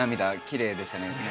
きれいでしたね